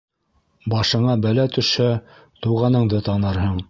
Башыңа бәлә төшһә, туғаныңды танырһың.